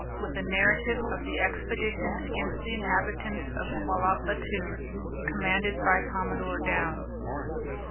With a Narrative of the Expedition against the Inhabitants of Quallah Battoo, commanded by Commodore Downes.